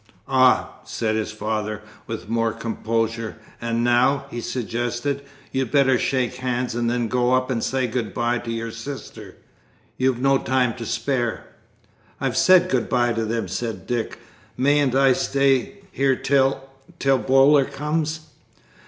"Ah!" said his father, with more composure, "and now," he suggested, "you'd better shake hands, and then go up and say good bye to your sister you've no time to spare." "I've said good bye to them," said Dick. "Mayn't I stay here till till Boaler comes?"